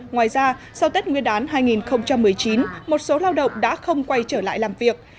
ngoài ra sau tết nguyên đán hai nghìn một mươi chín một số lao động đã không quay trở lại làm việc